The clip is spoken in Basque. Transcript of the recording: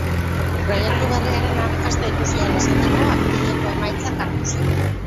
Proiektu berriaren arrakasta ikus ahal izateko apirileko emaitzak hartu ziren.